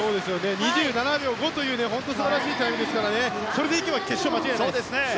２７秒５という本当に素晴らしいタイムですからこれで行けば決勝間違いないです。